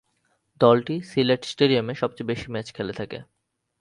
দলটি সিলেট স্টেডিয়ামে সবচেয়ে বেশি ম্যাচ খেলে থাকে।